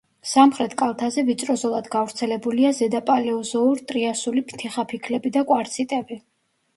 სამხრეთ კალთაზე ვიწრო ზოლად გავრცელებულია ზედაპალეოზოურ-ტრიასული თიხაფიქლები და კვარციტები.